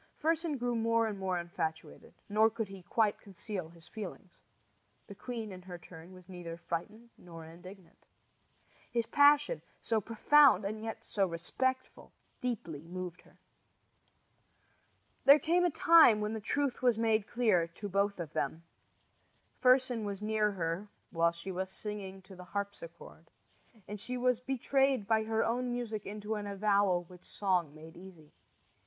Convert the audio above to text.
Fersen grew more and more infatuated, nor could he quite conceal his feelings. The queen, in her turn, was neither frightened nor indignant. His passion, so profound and yet so respectful, deeply moved her. Then came a time when the truth was made clear to both of them. Fersen was near her while she was singing to the harpsichord, and "she was betrayed by her own music into an avowal which song made easy."